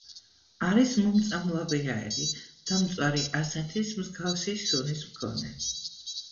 არის მომწამლავი აირი, დამწვარი ასანთის მსგავსი სუნის მქონე.